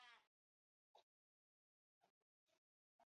Disko bikoitza besapean hartuta, bultan daukagu hirukote estatubatuarra.